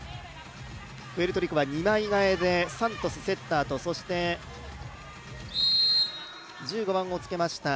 プエルトリコは二枚替えで、サントス、セッターとそして１５番をつけました